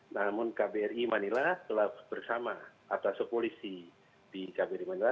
namun kbri manila telah bersama atas polisi di kbri manila